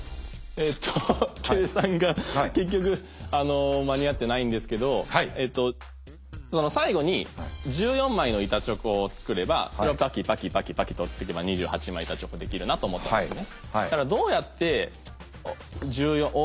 えっと計算が結局間に合ってないんですけどその最後に１４枚の板チョコを作ればそれをパキパキパキパキと折っていけば２８枚板チョコできるなと思ったんですね。